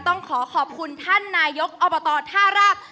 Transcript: ต้องขอขอบคุณท่านนายกอบตท่าราก